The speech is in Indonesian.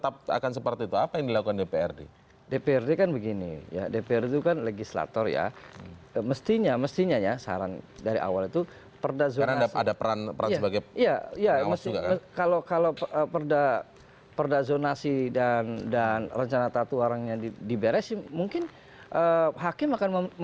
pada saat ini kita sudah menanggung perusahaan yang